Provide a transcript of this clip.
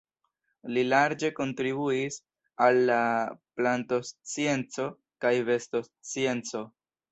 Li larĝe kontribuis al la plantoscienco kaj bestoscienco.